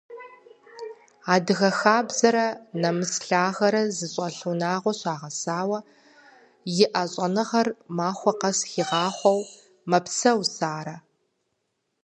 Адыгэ хабзэрэ нэмыс лъагэрэ зыщӏэлъ унагъуэ щагъэсауэ, иӏэ щӏэныгъэр махуэ къэс хигъахъуэу мэпсэу Сарэ.